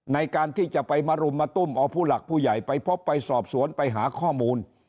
ในการที่จะไปมารุมมาตุ้มเอาผู้หลักผู้ใหญ่ไปพบไปสอบสวนไปหาข้อมูล